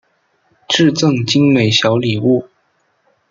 致赠精美小礼物